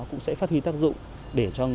cũng sẽ phát huy tác dụng